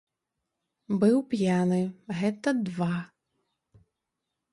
Быў п'яны, гэта два.